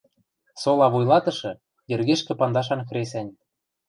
Сола вуйлатышы, йӹргешкӹ пандашан хресӓнь